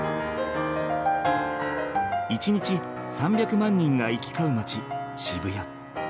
１日３００万人が行き交う街渋谷。